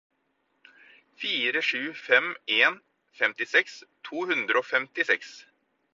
fire sju fem en femtiseks to hundre og femtiseks